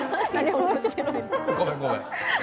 ごめんごめん。